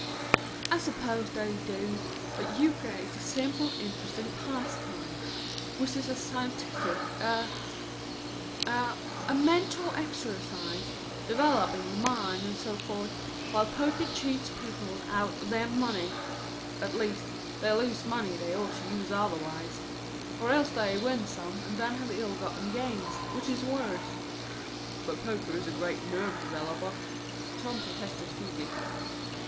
"I suppose they do, but euchre is a simple, interesting pastime; whist is a scientific a a mental exercise, developing the mind, and so forth, while poker cheats people out of their money, at least, they lose money they ought to use other ways, or else they win some and then have ill gotten gains, which is worse." "But poker is a great nerve developer," Tom protested feebly.